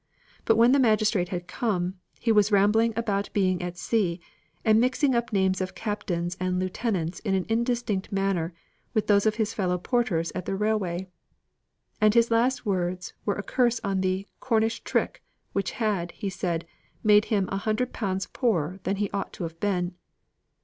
But when the magistrate had come, he was rambling about being at sea, and mixing up names of captains and lieutenants in an indistinct manner with those of his fellow porters at the railway; and his last words were a curse on the "Cornish trick" which had, he said, made him a hundred pounds poorer than he ought to have been.